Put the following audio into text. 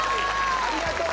ありがとう！